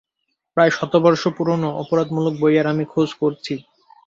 প্রায় শতবর্ষ পুরোনো অপরাধমূলক বইয়ের আমি খোঁজ করছি।